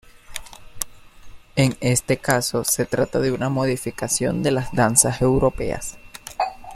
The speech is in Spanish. En este caso se trata de una modificación de las danzas europeas.